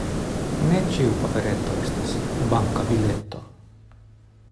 Ne ĉiu papereto estas banka bileto.